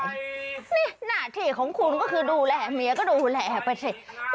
นี่หน้าที่ของคุณก็คือดูแลเมียก็ดูแลไปสิ